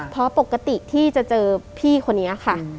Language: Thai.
เพราะปกติที่จะเจอพี่คนนี้ค่ะ